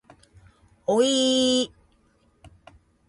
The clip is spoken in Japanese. おいいい